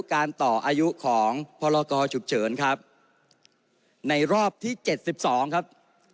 การต่ออายุของพรกชุกเฉินครับในรอบที่๗๒ครับ